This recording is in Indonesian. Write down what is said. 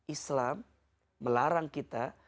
islam melarang kita